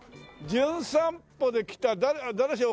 『じゅん散歩』で来た誰にしよう。